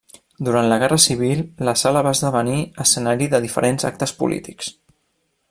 Durant la Guerra Civil, la sala va esdevenir escenari de diferents actes polítics.